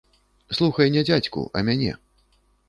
Слухай не дзядзьку, а мяне.